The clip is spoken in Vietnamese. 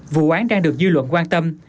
vụ án đang được dư luận quan tâm